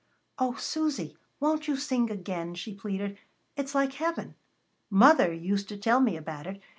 "O Susy, won't you sing again?" she pleaded. "It's like heaven. Mother used to tell me about it.